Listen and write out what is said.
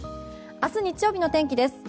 明日日曜日の天気です。